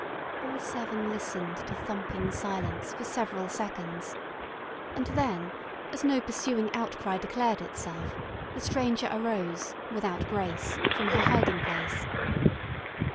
All seven listened to thumping silence for several seconds, and then, as no pursuing outcry declared itself, the Stranger arose, without grace, from her hiding place.